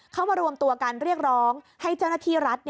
เขามารวมตัวกันเรียกร้องให้เจ้าหน้าที่รัฐ